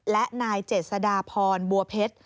และนายเจษฎาพรบัวเพชร